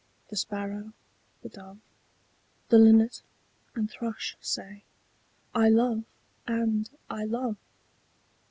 The Sparrow, the Dove, The Linnet and Thrush say, 'I love and I love!'